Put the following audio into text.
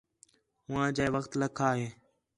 ہوآں جئے وخت لَکّھا ہِے